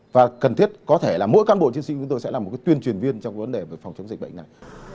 và cần thiết có thể là mỗi cán bộ chiến sĩ chúng tôi sẽ là một tuyên truyền viên trong vấn đề về phòng chống dịch bệnh này